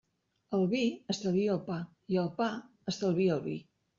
El vi estalvia el pa i el pa estalvia el vi.